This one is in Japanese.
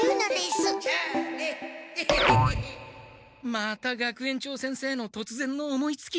また学園長先生のとつぜんの思いつきか。